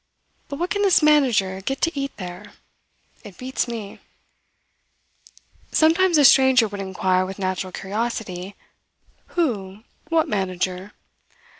But what can this manager get to eat there? It beats me." Sometimes a stranger would inquire with natural curiosity: "Who? What manager?"